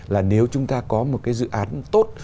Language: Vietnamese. là nếu chúng ta có một cái dự án tốt